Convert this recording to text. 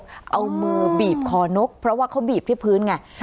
เอามือบีบคอนกเพราะว่าเขาบีบที่พื้นไง